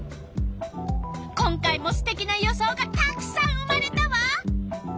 今回もすてきな予想がたくさん生まれたわ。